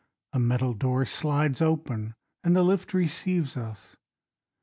A metal door slides open, And the lift receives us.